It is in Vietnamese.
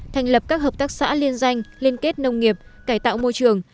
thành lập các hợp tác xã liên danh liên kết nông nghiệp cải tạo môi trường